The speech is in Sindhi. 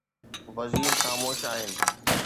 وزير خاموش آهن.